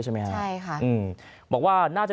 ใช่มั้ยฮะ